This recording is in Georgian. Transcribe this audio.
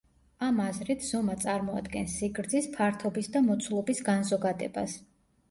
ამ აზრით, ზომა წარმოადგენს სიგრძის, ფართობის და მოცულობის განზოგადებას.